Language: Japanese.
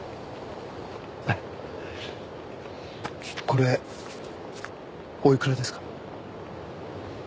これおいくらですか？